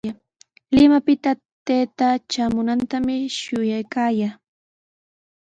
Limapita taytaa traamunantami shuyaykaayaa.